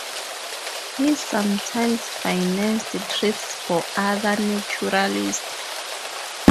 He sometimes financed trips for other naturalists.